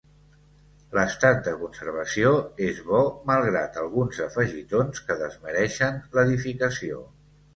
L'estat de conservació és bo malgrat alguns afegitons que desmereixen l'edificació.